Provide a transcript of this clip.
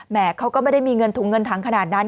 เขาก็ไม่ได้มีเงินถุงเงินถังขนาดนั้น